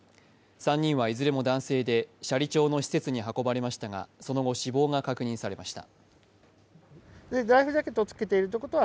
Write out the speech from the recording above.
３人はいずれも男性で、斜里町の施設に運ばれましたがその後、死亡が確認されました。